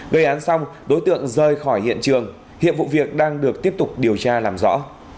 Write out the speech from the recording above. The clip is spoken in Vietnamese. gây án xong đối tượng rời khỏi hiện trường hiện vụ việc đang được tiếp tục điều tra làm rõ